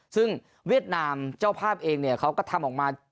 ซึ่งเวียดนามเจ้าภาพเองเนี่ยเขาก็ทำออกมา